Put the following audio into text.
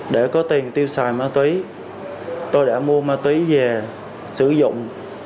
để có tiền tiêu xài ma túy tôi đã mua ma túy về sử dụng